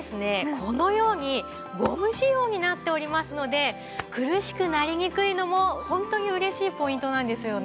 このようにゴム使用になっておりますので苦しくなりにくいのもホントに嬉しいポイントなんですよね。